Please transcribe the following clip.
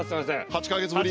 ８か月ぶり。